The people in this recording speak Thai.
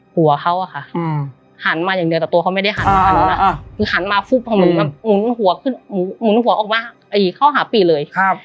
หัวเขาอะค่ะหันมาอย่างเดียวแต่ตัวเขาไม่ได้หันมาค่ะคือหันมาปุ๊บมันมุนหัวออกมาเข้าหาปีเลย